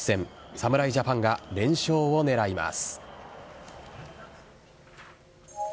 侍ジャパンが連勝を狙います。